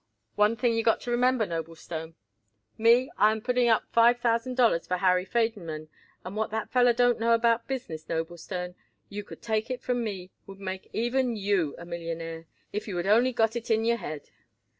One thing you got to remember, Noblestone. Me, I am putting up five thousand dollars for Harry Federmann, and what that feller don't know about business, Noblestone, you could take it from me, would make even you a millionaire, if you would only got it in your head."